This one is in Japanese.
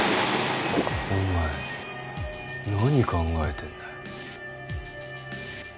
お前何考えてんだよ？